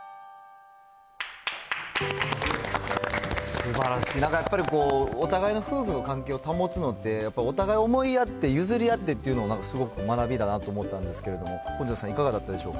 すばらしい、なんかやっぱり、お互いの夫婦の関係を保つのって、お互い思いやって、譲り合ってっていうのがなんかすごく学びだなと思ったんですけど、本上さん、いかがだったでしょうか。